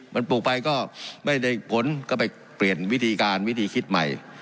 มันปลูกไปก็ไม่ได้ผลก็ไปเปลี่ยนวิธีการวิธีคิดใหม่